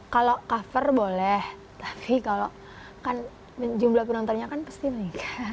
kalau cover boleh tapi kalau kan jumlah penontonnya kan pasti meningkat